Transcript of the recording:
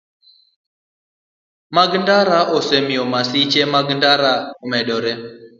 Mag ndara osemiyo masiche mag ndara okedore.